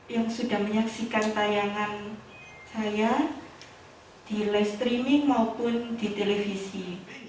yang sudah menyaksikan tayangan saya di live streaming maupun di televisi